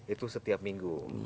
itu setiap minggu